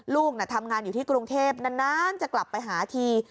ลูกทำงานอยู่ที่กรุงเทพนานจะกลับไปหาที